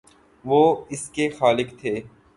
وہ اس کے خالق تھے۔